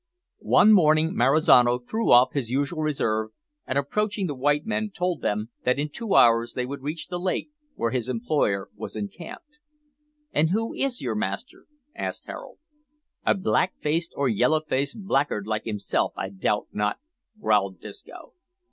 One morning Marizano threw off his usual reserve, and, approaching the white men, told them that in two hours they would reach the lake where his employer was encamped. "And who is your master?" asked Harold. "A black faced or yellow faced blackguard like himself, I doubt not," growled Disco.